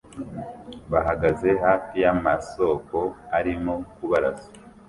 bahagaze hafi yamasoko arimo kubarasa